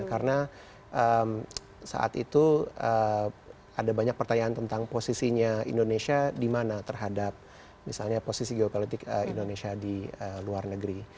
karena saat itu ada banyak pertanyaan tentang posisinya indonesia di mana terhadap misalnya posisi geopolitik indonesia di luar negeri